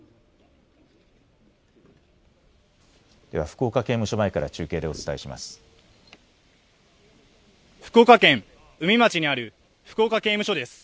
福岡刑務所前から中継でお伝えします。